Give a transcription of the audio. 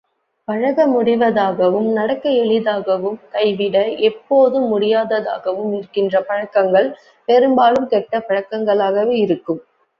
பழக முடிவதாகவும், நடக்க எளிதாகவும், கைவிட எப்போதும் முடியாததாகவும் இருக்கின்ற பழக்கங்கள் பெரும்பாலும் கெட்ட பழக்கங்களாகவே இருக்கும்.